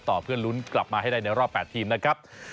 เพื่อลุ้นกลับมาให้ได้ในรอบ๘ทีมนะครับ